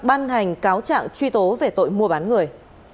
ban hành cáo trạng truy tố về tội mua bán người